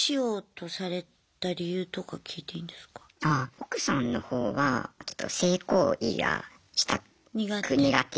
奥さんの方はちょっと性行為がしたく苦手。